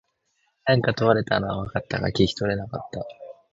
何か問われたのは分かったが、聞き取れなかった。